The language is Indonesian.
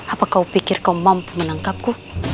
apa kau pikir kau mampu menangkapku